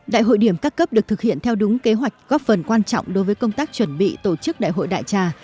đại hội điểm các cấp được thực hiện theo đúng kế hoạch góp phần quan trọng đối với công tác chuẩn bị tổ chức đại hội đại trà